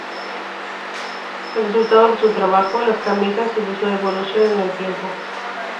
El resultado de su trabajo, las camisas y de su evolución en el tiempo.